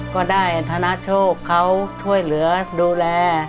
ก็ได้ธนโชคเขาช่วยเหลือดูแล